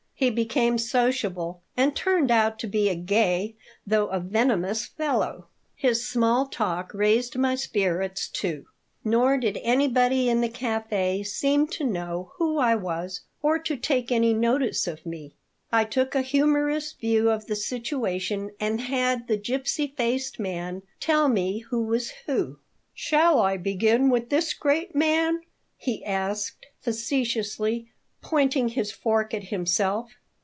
He became sociable and turned out to be a gay, though a venomous, fellow. His small talk raised my spirits, too. Nor did anybody in the café seem to know who I was or to take any notice of me. I took a humorous view of the situation and had the gipsy faced man tell me who was who "Shall I begin with this great man?" he asked, facetiously, pointing his fork at himself.